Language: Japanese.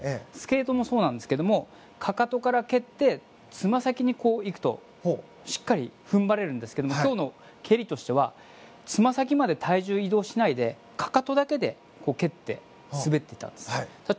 スケートもそうなんですがかかとから蹴ってつま先にいくとしっかり踏ん張れるんですが今日の蹴りとしてはつま先まで体重移動しないでかかとだけで蹴って滑っていたんです。